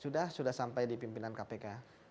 sudah sudah sampai di pimpinan kpk